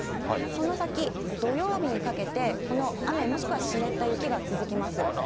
その先、土曜日にかけて、この雨、もしくは湿った雪が続きます。